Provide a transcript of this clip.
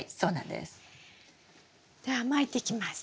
ではまいていきます。